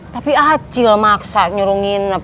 tapi acil maksa nyuruh nginep